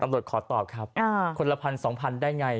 ตำรวจขอตอบครับคนละพันธุ์๒พันธุ์ได้ไง